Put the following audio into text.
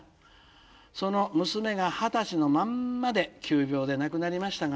その娘が二十歳のまんまで急病で亡くなりましたが」。